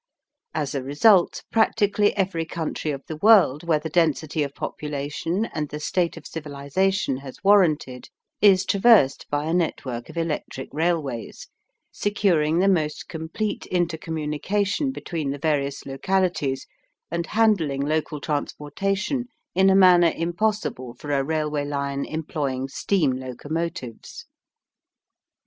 As a result, practically every country of the world where the density of population and the state of civilization has warranted, is traversed by a network of electric railways, securing the most complete intercommunication between the various localities and handling local transportation in a manner impossible for a railway line employing steam locomotives.